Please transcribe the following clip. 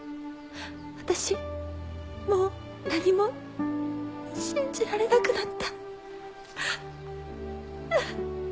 私もう何も信じられなくなった。